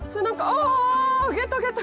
あゲットゲット！